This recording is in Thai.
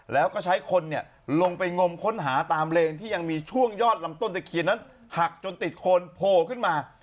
แล้วก็ใช้คนลงไปงมค้นหาตามเลนที่ยังมีช่วงยอดลำต้นตะเคียนนั้นหักจนติดโคนโผล่ขึ้นมา